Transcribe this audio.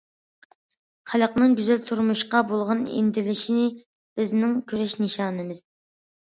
« خەلقنىڭ گۈزەل تۇرمۇشقا بولغان ئىنتىلىشى بىزنىڭ كۈرەش نىشانىمىز».